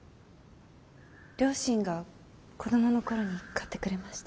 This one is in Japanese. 両親が子供の頃に買ってくれました。